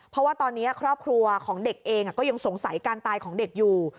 เพราะว่าตอนนี้ครอบครัวของเด็กเองก็ยังสงสัยการตายของเด็กอยู่